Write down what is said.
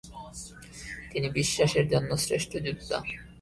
তিনি বিশ্বাস এর জন্য শ্রেষ্ঠ যোদ্ধা।